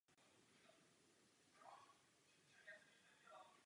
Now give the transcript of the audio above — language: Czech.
Hráčské obsazení se v průběhu let změnilo.